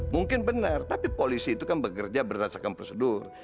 mungkin benar tapi polisi itu kan bekerja berdasarkan prosedur